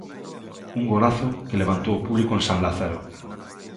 Un golazo que levantou o público en San Lázaro.